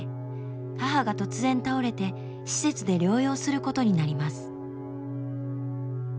母が突然倒れて施設で療養することになります。